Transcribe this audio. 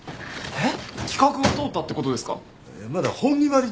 えっ？